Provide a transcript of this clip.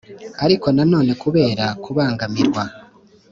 ariko nanone kubera kubangamirwa